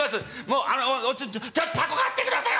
もうあのおっちょ凧買ってください！